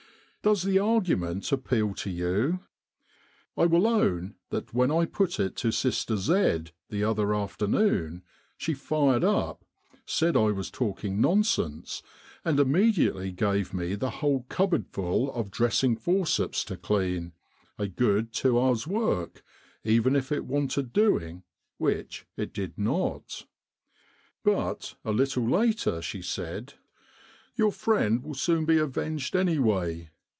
Does the argument appeal to you ? I will own that when I put it to Sister Z the other afternoon she fired up, said I was talking nonsense, and immedi ately gave me the whole cupboardful of dressing forceps to clean a good two hours' work even if it wanted doing, which it did not. But a little later she said, * Your friend will be soon avenged anyway.